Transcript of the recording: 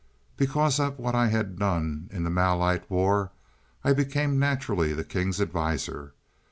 "Because of what I had done in the Malite war, I became naturally the King's adviser.